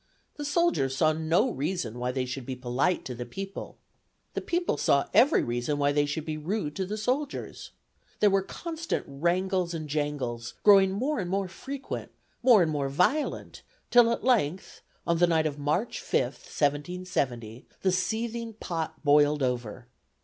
The soldiers saw no reason why they should be polite to the people, the people saw every reason why they should be rude to the soldiers. There were constant wrangles and jangles, growing more and more frequent, more and more violent, till at length, on the night of March 5th, 1770, the seething pot boiled over.